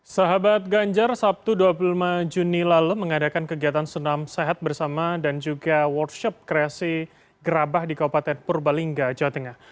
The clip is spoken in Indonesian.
sahabat ganjar sabtu dua puluh lima juni lalu mengadakan kegiatan senam sehat bersama dan juga workshop kreasi gerabah di kabupaten purbalingga jawa tengah